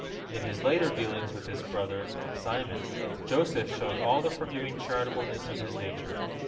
In his later dealings with this brother Simon, Joseph showed all the forgiving charitableness of his nature.